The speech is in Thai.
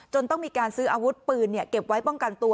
ต้องมีการซื้ออาวุธปืนเก็บไว้ป้องกันตัว